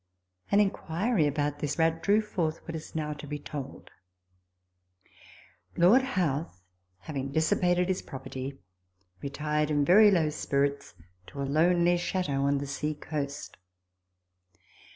An inquiry about this rat drew forth what is now to be told : Lord Howth, having dissipated his property, retired in very low spirits to a lonely chateau on the sea coast.